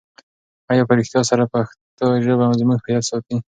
آیا په رښتیا سره پښتو ژبه زموږ هویت ساتي؟